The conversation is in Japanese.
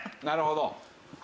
なるほど。